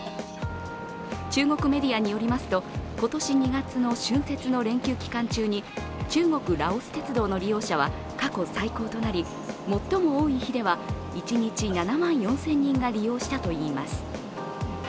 中国メディアによりますと、今年２月の春節の連休期間中に中国ラオス鉄道の利用者は過去最高となり最も多い日では１日７万４０００人が利用したといいます。